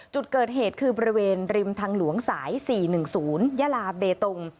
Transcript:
จุดเกิดเหตุคือบริเวณริมทางหลวงสายสี่หนึ่งศูนย์ยาลาเบตง